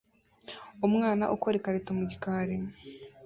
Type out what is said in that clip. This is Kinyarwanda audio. Umwana ukora ikarito mu gikari